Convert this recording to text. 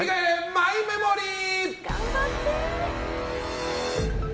マイメモリー！